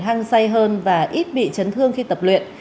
hăng say hơn và ít bị chấn thương khi tập luyện